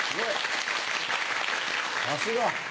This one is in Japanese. さすが。